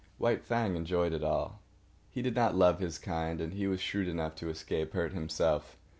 White Fang enjoyed it all. He did not love his kind, and he was shrewd enough to escape hurt himself.